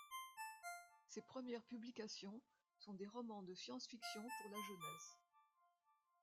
Ses premières publications sont des romans de science fiction pour la jeunesse.